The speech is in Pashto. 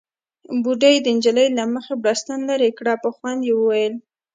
بوډۍ د نجلۍ له مخې بړستن ليرې کړه، په خوند يې وويل: